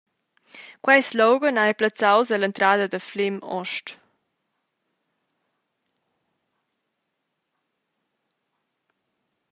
Quei slogan ei plazzaus all’entrada da Flem ost.